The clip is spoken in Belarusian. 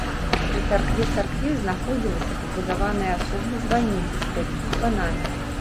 Пры царкве царкве знаходзілася, пабудаваная асобна званіца з пяццю званамі.